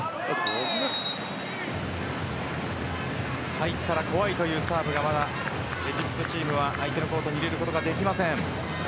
入ったら怖いというサーブがエジプトチームは相手のコートに入れることができません。